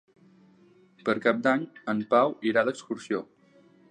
Per Cap d'Any en Pau irà d'excursió.